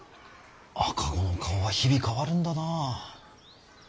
赤子の顔は日々変わるんだな。